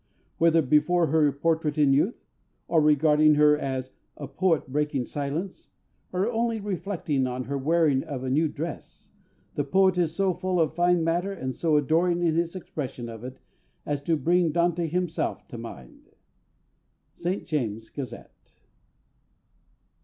Whether Before her Portrait in Youth, or regarding her as A poet breaking silence, or only reflecting on her wearing of a new dress, the Poet is so full of fine matter and so adoring in his expression of it, as to bring DANTE himself to mind. _St. James's Gazette.